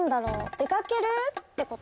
出かけるってこと？